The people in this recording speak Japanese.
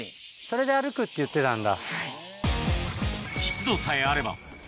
それで「歩く」って言ってたんだ。